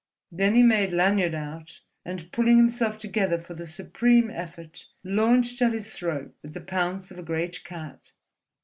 Then he made Lanyard out and, pulling himself together for the supreme effort, launched at his throat with the pounce of a great cat.